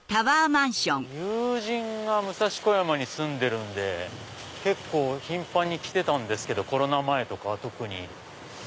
友人が武蔵小山に住んでるんで結構頻繁に来てたんですけどコロナ前とかは特に。